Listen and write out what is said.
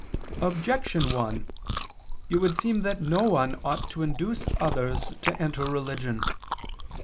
Objection 1: It would seem that no one ought to induce others to enter religion.